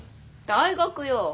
大学よ。